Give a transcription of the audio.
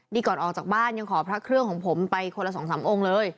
นี่ก่อนออกจากบ้านยังขอพระเครื่องของผมไปคนละสองสามองค์เลย